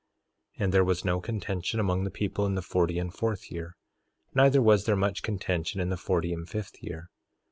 3:2 And there was no contention among the people in the forty and fourth year; neither was there much contention in the forty and fifth year.